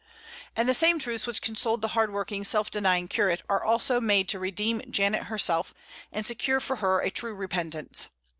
And the same truths which consoled the hard working, self denying curate are also made to redeem Janet herself, and secure for her a true repentance.